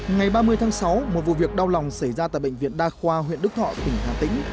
ngày ba mươi tháng sáu một vụ việc đau lòng xảy ra tại bệnh viện đa khoa huyện đức thọ tỉnh hà tĩnh